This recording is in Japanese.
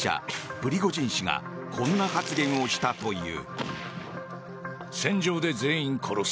プリゴジン氏がこんな発言をしたという。